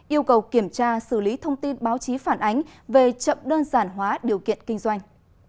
yêu cầu kiểm tra xử lý thông tin báo chí phản ánh về chậm đơn giản hóa điều kiện kinh doanh